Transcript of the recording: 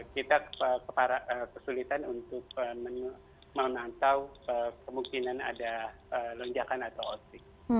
kita kesulitan untuk menantau kemungkinan ada lenjakan atau ocd